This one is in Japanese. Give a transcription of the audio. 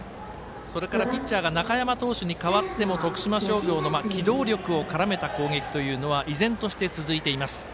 それからピッチャーが中山投手に代わっても徳島商業の機動力を絡めた攻撃というのは依然として、続いています。